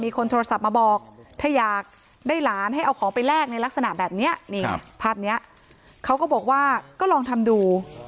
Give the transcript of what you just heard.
คนโทรศัพท์มาบอกถ้าอยากได้หลานให้เอาของไปแลกในลักษณะแบบนี้นี่ภาพนี้เขาก็บอกว่าก็ลองทำดู